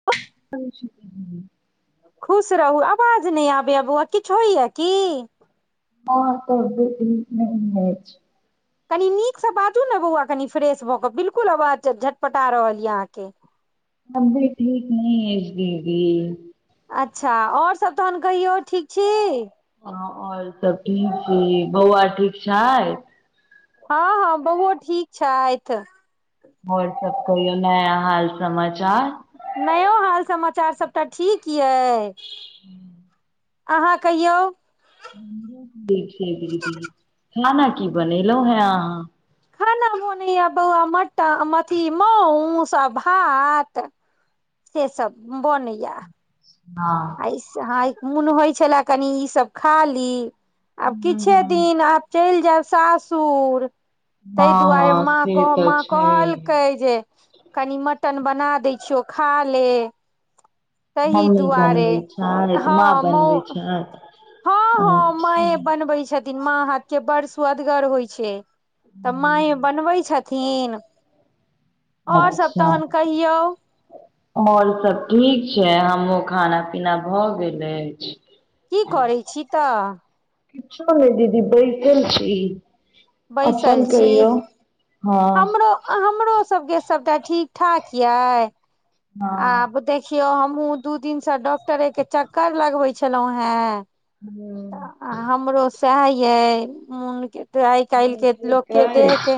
[inaudible] खुश रहू आवाज नहि आबैया बौआ किछु होइया कि हँ तऽ बे नहि [inaudible] कनी नीकसँ बाजू ने बौआ कनि फ्रेश भऽ कऽ बिलकुल आवाज झटपटा रहल यए अहाँके तबियत ठीक ने अछि दीदी अच्छा और सब तहन कहियौ ठीक छी और सब ठीक छी बौआ ठीक छै हँ हँ बौओ ठीक छैथ आओर सब कहियो नया हाल समाचार नयो हाल समाचार सभटा ठीक यए अहाँ कहियौ खाना की बनेलहुँ हे अहाँ खाना बनैया बौआ मटन अथि मास आ भात से सब बनैया हँ आई मन होइ छले कनी ई सब खा ली आब हूं किछे हूं। दिन आब चेल जायब सासुर ताहि हँ दुआरे हँ माँ से कहलके तऽ माँ छै। कहलकै जे कनि मटन बना दै छियो खा ले तहि दुआरे गोइ छारैत माँ हँ मौ बनबै छथि हँ हँ अच्छा माँए [unintelligible] बनबै छथिन माँ हाथ के बड़ सुअदगर होइ छै तऽ माय हम्म, बनबै छथिन आओर सब अच्छा तहन कहियौ आओर सब ठीक छै हमहुँ खाना पीना भए गेल अछि की करै छी तऽ किछो नहि दीदी बैसल छी बैसल अपन छी कहियौ हमरो हमरो सबके सबटा ठीक ठाक ये हँ आब देख देखियौ हमहु दू दिन से डॉक्टरे के चक्कर लगबे छलौ हें हू [inaudible] आ हमरो सएह ये मोनके आइकइल मोन के ठीक लोक अछि देह है के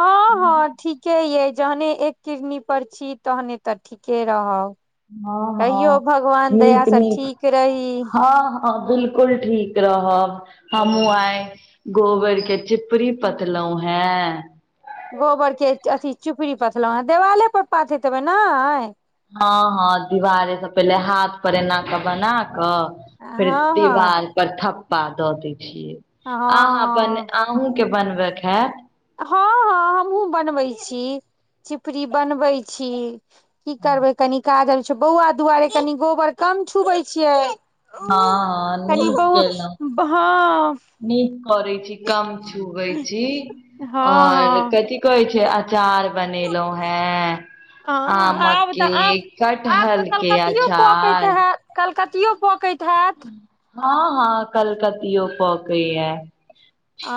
हँ हँ ठीक ठीके ये जहने एक किरनी पर छी तहने तऽ ठीके रहब हँ हँ कहियो भगवान दया नीक से नीक ठीक रही हँ हँ बिलकुल ठीक रहब हमहुँ आय गोबर के चिपरी पतलो हैं गोबर के अथी चुपड़ी पथलहु ह देवाले पर पाथेतेबे ने हँ हँ दीवारे से पहिले हाथ पर ऐना कऽ बना बनाकेय फेर हँ हँ दीवार पर थप्पा दऽ दै छियै हँ अहाँ हँ अपन अहूँके बनबैके हइ हँ हँ हमहुँ बनबै छी चिपरी बनबै छी की करबै कनि काज आबै छै बौआ दुआरे कनि गोबर कम छुबै छियै हँ हँ क नीक केलहुँ बहु हा [unintelligible] नीक करै छी कम छुबै छी हँ ओर हँ कथि कहै छै अचार बनेलहु हें आब तऽ आमके आब आब तऽ कटहलके कलकतियो पकैत अचार हैत कलकतियो पकैत हैत हँ हँ कलकतियो पहुकेत हैत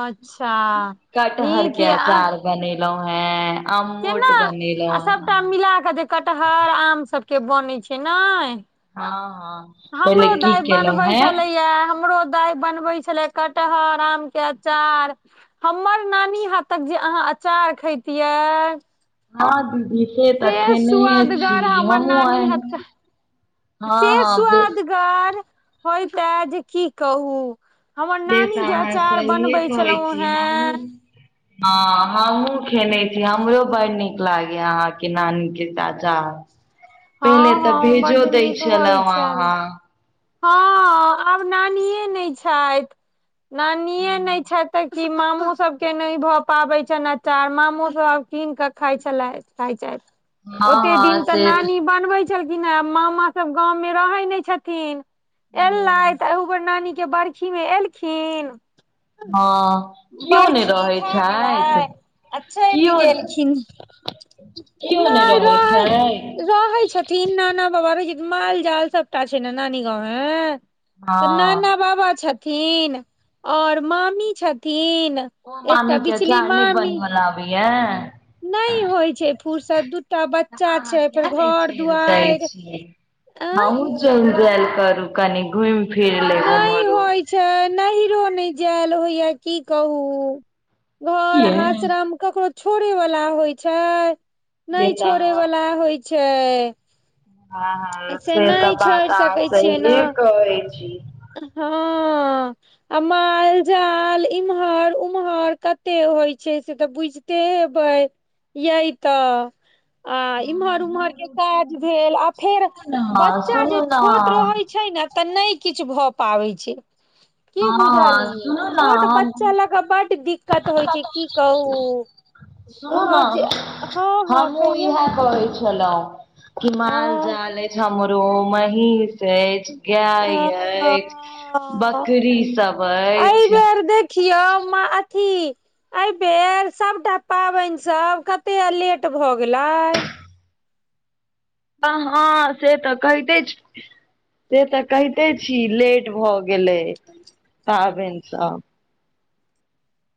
अच्छा कटहर नीक के या अचार बनेलहुं हैं अमूट आ बनेलहुँं हैं सभटा मिला क दे कटहर आम सब के बनै छै ने हँ हँ पहिले हमरो की दाय केलहुं बनबै हें छलैया हमरो दाइ बनबे छले कटहर आम के अचार हमर नानी हाथतक जे अहाँ अचार खेैतिये हँ दिदी तेने छी सुआदगर [unintelligible] हमर हमँ नानी आ हाथक हँ हँ होयताे जे की कहू हमर से तऽ नानी जे अहाँ अचार सहिए बनबै कहै छलहुँ छी हेँ हमहुँ हँ हमहूँ खेने छी हमरो बड़ नीक लागैए अहाँके नानीके अचार हँ पहिले तऽ हँ भेजो बड्ड दै नीक होइ छलहुँ छल अहाँके हँ आब नानिए नहि छैथ नानिए नहि छैथ तऽ की मामो सब के नहि भऽ पाबै छ अचार मामो सब आ कीन के खाय छलै चार हँ ओते दिन हँ तऽ से नानी बनबै छलखिन मामा सब गाँवमें रहै नहि छथिन एलैत अहुबेर नानी के बरखी मे एलखिन हँ कियो नै बर्खी रहै भ गलै छथि आ चैल कियो गेलखिन नहि रहै रहै छैथ तीन नाना बाबा रहै छै माल जाल सबटा छै ने नानी गाँंवमे तऽ हँ नाना बाबा छथिन और मामी छथिन ओ एकटा मामीे बिचली अचार नहि मामी बनवला अबैय नहि होइ छै फूरसत दू एकटा बच्चा छै फेर किया नहि घर चलि दुआरि आए चेल जा ले करु कनि घुम फिर लेम्हरु नैहरो नहि जायल होइया की कहू घर किया आश्रम ककरो छोड़ेवला होइ छै से नहि तऽ छोड़ेवला अहाँ होइ छै हँ हँ से तऽ नहि बात छोड़ि अहाँ सकै छियै ने सहिए कहै छी हँ आ माल जाल इम्हर उम्हर कते होइ छै से तऽ बुझते त भइ यय तऽ आ इम्हर उम्हर के काज भेल फेर सुनू ने बच्चा जे सुनू ने छोट रहै छै ने तऽ नहि किछ भऽ पाबै छै की हँ बुझलियै सुनू ने छोट हम बच्चा ला बड दिक्कत होइ छै की कहू सुनू ने अहाँ जे हँ हँ हमहुँ कहियौ इहा कहै छी चलौ हिमाल हँ जाल अछि हमरो महींष अछि गाय अछि हँ बकरी सब अछि खियोम अथी एहिबेर सभटा पाबैनसभ कतेक लेट भऽ गेलै आहाँ से तऽ कहते छी से तऽ कहिते छी लेट भऽ गेल गेलै हँ पाबैन स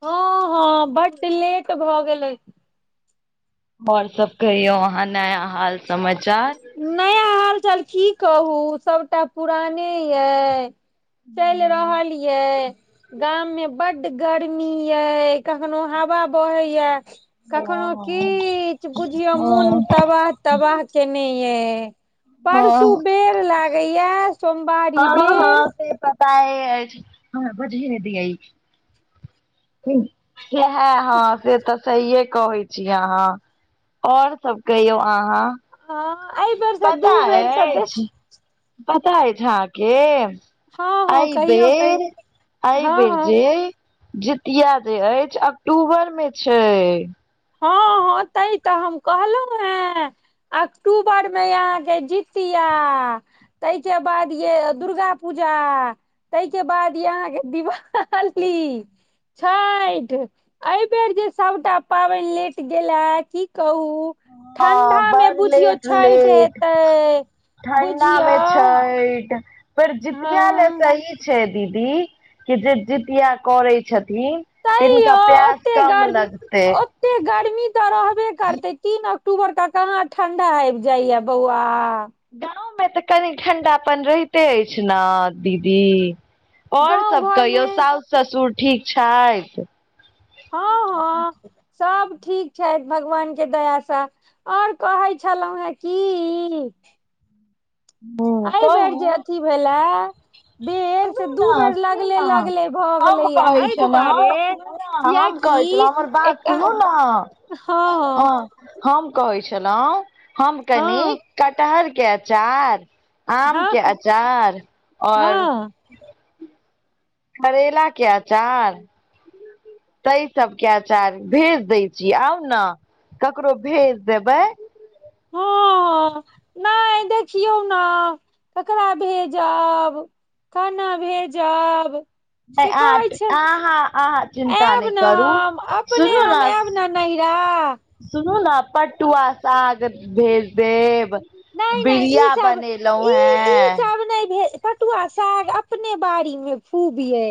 हँ हँ बड लेट भऽ गेलै ओर सब कहियौ अहाँ नया हाल समाचार नया हालचाल की कहू सभटा पुराने यइ चैल रहल यै गाममे बड गर्मी यई कखनो हवा बहै या कखनो हँ किछ बुझिय मुन हँ तबा तबाह केने ये परसू बेर लागै या हँ हँ से पता एअछि बजे नहि दैयाई है हँ सेत सहिए कहै छी अहाँ और सब कहियौ अहाँ हँ आ अइ बेरस दू पता बेर स अछि पता एछ हाके हँ हँ कहियौ अइबेर कहियौ हँ अइबेर हँ जे जितिया जे अछि अक्टूबर मे छै हँ हँ तैत तऽ हम कहलहुँं हें अक्टूबरमे यआहाँके जीतिया तैके बाद ये दुर्गा पूजा तहिके बाद य आहाँके दिवाल ली छईठ एहिबेर जे सबटा पाबैन लेट गेला की कहू ठण्डा हँ मे बड़ बुझियौ छैठ हेतैऽ ठण्डा मे छैठ फेर जितिया ले हँ तईछै दीदी कि जे जितिया करै छथिन तैयो तनिका प्यास कम लगतै एते गर्मी तऽ रहबे करतै तीन अक्टूबर क कहाँ ठंडा आबि जाइया बौआ गाँवमे तऽ कनी ठण्डापन रहिते अछि न दीदी और गाँव सब घरमे कहियौ सौस ससुर ठीक छैथ सभ ठीक छैथ भगवानके दयासँ ओर कहै छलहुँ हेँ कि हूँ आइ बैर कहू जे अथि भेला बेर सुनू से दू ने बेर सुनू लगले ने लगले भऽ गेलैया एहि दुआरे सुनु न हम कियाकि कहै छलहुँ हमर बात सुनू न हँ हँ हम कहै छलहुँ हम कनि हँ कटहर के अचार आम हँ के अचार और हँ करेला के अचार ताय सबके आचार भेज दै छी आउ न ककरो भेज देबै हं ह नई देखियौ न ककरा भेजब कना भेजब नहि से कहै अहाँ छै अहाँ अहाँ चिन्ता आयब नहि न करू हम अपने सुनू ने हम आयब अपना नहिअर सुनू न पटुआ साग भेज देब नहि नहि ई बिड़िया सब बनेलहुं ई ई हें सब नहि भे पटुआ साग अपने बाड़ी में खुब यै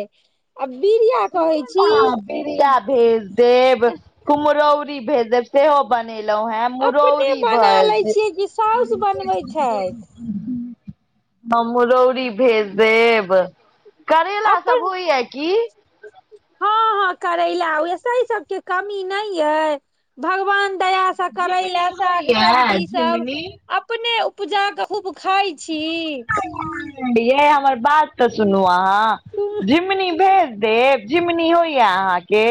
आ बिरिया सुनु न बिरिया भेज देब कुम्हरौरी भेज देब सेहो बनेलहुं हैँ अपने मुरौरी बना भए लै छियै कि साउस बनबै छथि [unintelligible] ह मुरौरी भेज देब करैेला सब अपन होइया की हं हं करैला होइया से सब के कमी नहि अइ भगवान दया स स करैला झिमनी साग होइया सब्जी सब झिमनी अपने उपजा क खूब खाय छी यै हमर बात तऽ सुनू अहाँ झिमुनी भेज डेब झिमुनी होइया अहाँके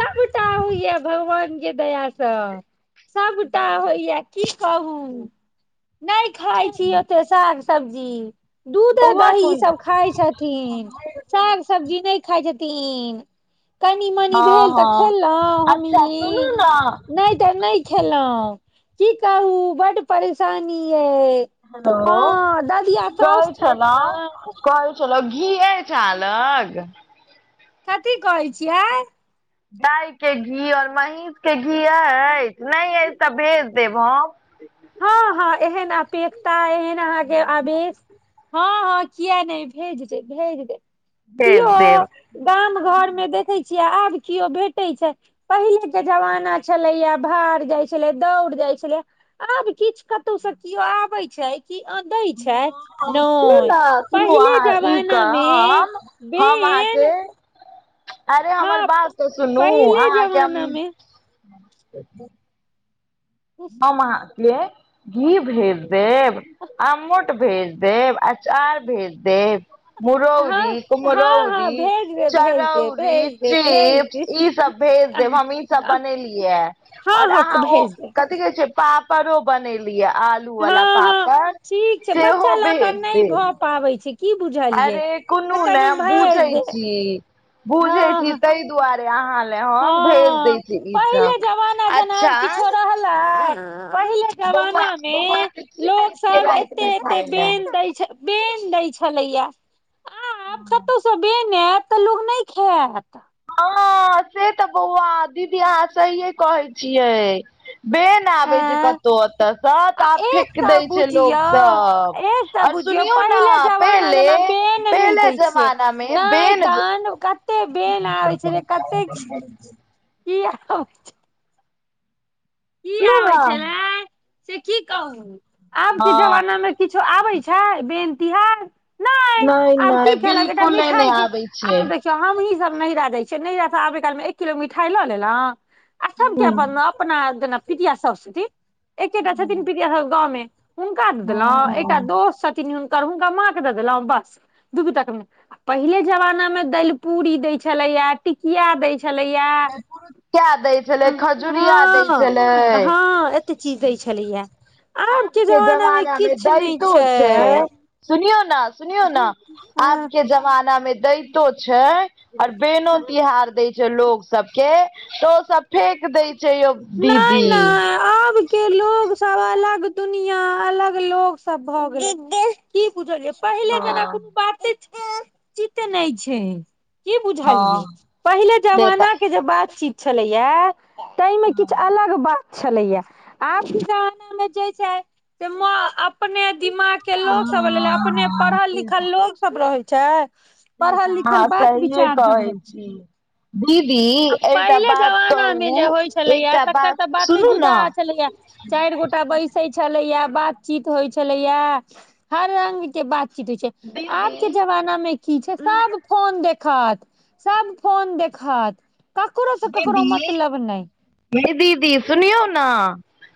सबटा होइया भगवान के दया सँ सबटा होइया की कहू नहि खाय छी ओते साग सब्जी दूधे बौआ दही ई कोन सब खाय छथिन साग सब्जी नहि खाय छथिन कनि मनि हँ भेल तऽ हँ खेलहुँ अच्छा सुनू हमहीं ने नहि तऽ नहि खेलहुं की कहू बड्ड परेशानी यै हेलो हँ ददिया साउस कहै छथि न छलहुँ कहै छलहुं घी अछि अहां लग कथी कहै छियै गाय के घी और महींष के घी अछि नहि अछि त भेज देब हम हँ हँ एहन अपेक्षता एहन अहाँके आवेश हँ हँ किया नहि भेज देब भेज देब भेज देब गाम घर मे देखैत छियै आब केओ भेटैय छै पहिलेके जमाना छलैया भार जाइ छलै दौड़ जाइ छलै आब किछ कतौ से किओ आबै छैय ह सुनू न सुनू पहिले अहाँ ई क जमाना मे हम हम आहाके बेन अरे हमर हँ बात तऽ सुनू पहिले अहाँके हम जमाना मे हम आहां के घी भेज देब आमोट भेज देब अचार भेज देब मुरौरी हँ हँ हँ कुम्हरौरी भेज दे भेज दे चरौरी भेज दे भेज चीप्स दे ई सब भेज देब हँ हम ई सब बनेलियै और हँ अहाँ ओ भेज देब कथी कहय छैय पापड़ो बनेलियै आलू वाला हँ हँ पापड़ ठीक छै बच्चा सेहो लऽ कऽ भेज नहि देब भऽ पाबै छी अरे कोनु नैय भेज बुजै दे छी हँ बुजै छी हँ तै दुआरे अहाँ ले हम भेज हँ दैय छी ई सब अच्छा कहला पहिले पहले बौआ जमाना बौआ मे के की लोक सभ देलकै सब राति एते मे एते खाय लए बेन दैय छै बेन दैय छलैया आ आब कतौसँ बेन बेन एत तऽ लोग नहि खायत हँ से तऽ बौआ दीदी अहाँ सहिये कहै छियै बेन आबै आँ कतौ एतऽ सब आ त आब फेक एकटा दैय छैय लोक बुझियौ सब एकटा और बुझियौ सुनियौ न पहिले जमाना पेहले जेना बेन नहि पेहले दै छियै जमाना मे नहि बेन तहन कते बेन [inaudible] कीया [inaudible] किया सुनू होय ने छलय से की कहू आब के हँ जमानामे किछो आबै छै बेन तिहार नहि आब नहि की खेलत एकटा बिलकुले नहि मिठाई के आबै छै आब देख हमहीं सब नैहरा जाइ छियै नैहरा तऽ आबे कालमे एक किलो मिठाइ लऽ लेलौ आ सब के अपन अपना जेना पितिया साउस एकेटा छथिन पितिया साउस गाँवमे हुनका दऽ देलहु हँ एकटा दोस्त छथिन हुनकर हुनका माँ के दऽ देलहु बस दू बी टका मे पहिले जमाना मे दलि पूड़ी दैय छलैया टिकिया दैय छल छलैया पड़ुकिया दै छलै खजुरिया दैय हँ छलै हँ एते चीज दैय छलैया आब के आबके जमाना मे किछ नहि दैतो छैय छै सुनियौ न सुनियौ न आब के जमाना मे दैतो दैतो छैय और बेनो तिहार दैय लोग सब के तऽ ओ सब फेेक दैय छैय यौ नहि दीदी नहि आब के लोग सब अलग दुनिया अलग लोग सब भए गेले की बुझलिए पहिले हँ जेना कोनो बाते जीते नहि छैय की बुझलियै हँ पहिले से जमाना तऽ के जे बातचीत छलैया त किछ अलग बात छलैया आ आब के जमाना मे जे छैय से अपने दिमाग के लोग सब लेले अपने हँ पढ़ल से लिखल तऽ लोग सब रहे छैय पढ़ल लिखल अहाँ बात सहिए विचार सब कहै होय छैय छी दीदी आ एकटा पहिले बात जमानामे कहू जे होइ छलैए एकटा तकर बात तऽ बाते सुनू जुदा ने आ छलैए चारि गोटा बैसे छलेया बातचीत होइ छलेया हर रंग के बात [inaudible] दीदी आबके जमानामे की छै सब फोन देखत सब फोन देखत ककरो स ककरो मतलब नहि ये दीदी सुनियौ न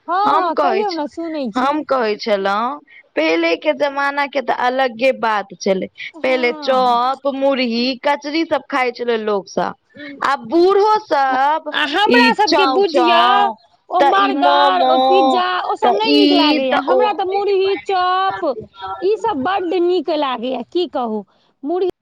हँ हम हँ कहै कहियौ छि ने सुनै छी हम कहै छलहु पहिले के जमाना के तऽ अलगे बात छलै पहिले हँ चौप मुुरही कचरी सब खाय छलै लोक सब आ बूढ़ो सब आ ई हमरा सबके चाउ बुझियो चाउ ओ तऽ ई बर्गर मोमो ओ पिज्जा ओसभ तऽ नहि ई नीक लागै य ओ हमरा तऽ मुरही चॉप ई सब बड नीक लागे या की कहू मुड़हि